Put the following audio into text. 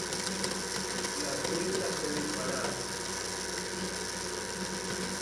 Las ventas se dispararon.